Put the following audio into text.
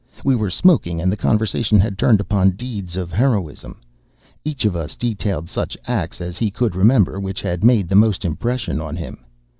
We were smoking, and the conversation had turned upon deeds of heroism. Each of us detailed such acts as he could remember which had made the most impression on him.